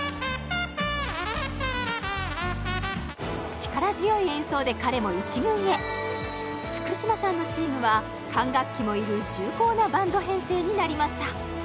力強い演奏で彼も１軍へ福嶌さんのチームは管楽器もいる重厚なバンド編成になりました